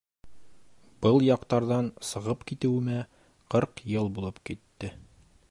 Был яҡтарҙан сығып китеүемә ҡырҡ йыл булып китте.